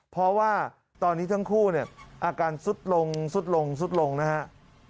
เพราะว่าตอนนี้ทั้งคู่เนี่ยอาการสุดลงสุดลงสุดลงนะครับ